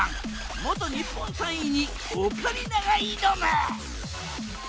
元日本３位にオカリナが挑む！